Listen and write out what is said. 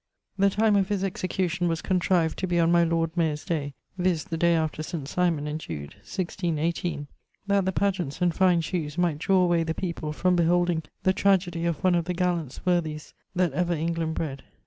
The time of his execution was contrived to be on my Lord Mayer's day (viz. the day after St. Simon and Jude) 1618, that the pageants and fine shewes might drawe away the people from beholding the tragoedie of one of the gallants worthies that ever England bred.